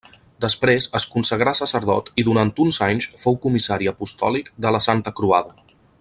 Després es consagrà sacerdot i durant uns anys fou comissari apostòlic de la Santa Croada.